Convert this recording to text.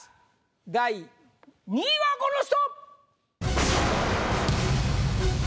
第２位はこの人！